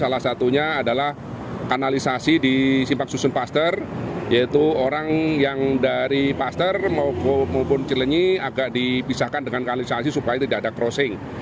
salah satunya adalah kanalisasi di simpang susun paster yaitu orang yang dari paster maupun cilenyi agak dipisahkan dengan kanalisasi supaya tidak ada crossing